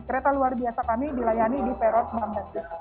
kereta luar biasa kami dilayani di peron enam dan tujuh